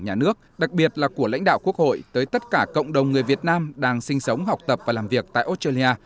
nhà nước đặc biệt là của lãnh đạo quốc hội tới tất cả cộng đồng người việt nam đang sinh sống học tập và làm việc tại australia